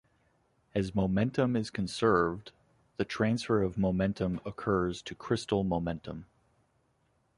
As momentum is conserved, the transfer of momentum occurs to crystal momentum.